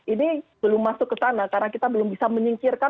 ini belum masuk ke sana karena kita belum bisa menyingkirkan